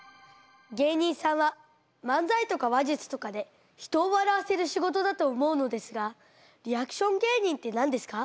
芸人さんは漫才とか話術とかで人を笑わせる仕事だと思うのですがリアクション芸人って何ですか？